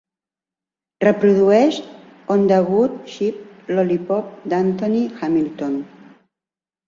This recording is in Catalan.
Reprodueix on the good ship lollipop d'Anthony Hamilton